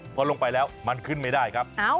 พอลงไปแล้วมันขึ้นไม่ได้ครับ